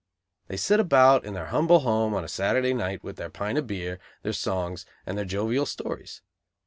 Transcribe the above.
They sit about in their humble home on Saturday night, with their pint of beer, their songs and their jovial stories.